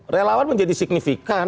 relawan menjadi signifikan